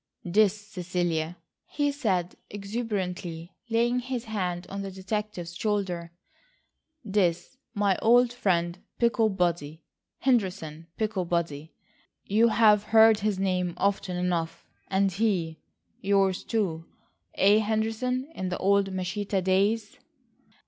"This, Cecilia," he said exuberantly, laying his hand on the detective's shoulder, "is my old friend Picklebody,—Henderson Picklebody. You have heard his name often enough, and he, yours, too. Eh, Henderson, in the old Machita days?"